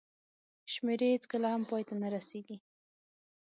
شمېرې هېڅکله هم پای ته نه رسېږي.